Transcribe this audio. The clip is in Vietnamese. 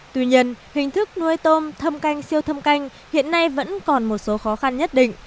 tuy nhiên hình thức nuôi tôm thâm canh siêu thâm canh hiện nay vẫn còn một số khó khăn nhất định